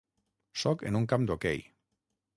Sóc en un camp d'hoquei.